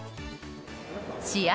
試合